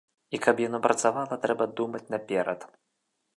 І каб яно працавала, трэба думаць наперад.